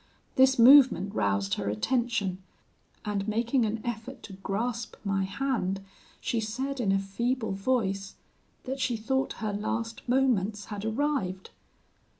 This movement roused her attention, and making an effort to grasp my hand, she said, in a feeble voice, that she thought her last moments had arrived.